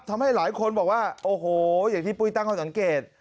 ทำให้หลายคนบอกว่าโอ้โหอย่างที่ปุ้ยตั้งข้อสังเกต